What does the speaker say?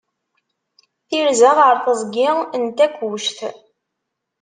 Tirza ɣer teẓgi n Takkuct.